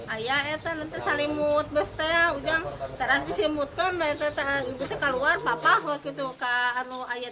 ayah eten salimut bestial teranti simutkan bete bete keluar papahwa gitu kan lu ayah